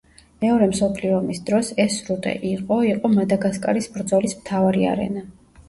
მეორე მსოფლიო ომის დროს, ეს სრუტე იყო იყო მადაგასკარის ბრძოლის მთავარი არენა.